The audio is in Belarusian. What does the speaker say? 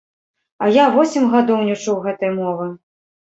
А я восем гадоў не чуў гэтай мовы.